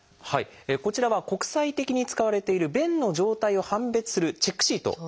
こちらは国際的に使われている便の状態を判別するチェックシートです。